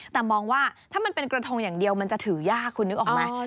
แต่มองว่าถ้ามันเป็นกระทงอย่างเดียวมันจะถือยากคุณนึกออกไหม